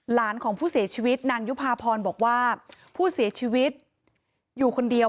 ของผู้เสียชีวิตนางยุภาพรบอกว่าผู้เสียชีวิตอยู่คนเดียว